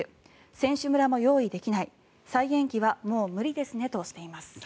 選手村も用意できない再延期はもう無理ですねとしています。